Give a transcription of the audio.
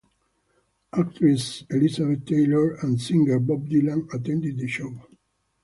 Actress Elizabeth Taylor and singer Bob Dylan attended the show.